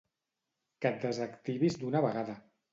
Que et desactivis d'una vegada.